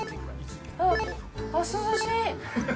あっ、涼しい。